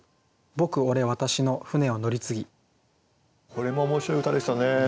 これも面白い歌でしたね。